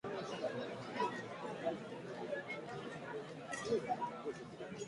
コルドバ県の県都はコルドバである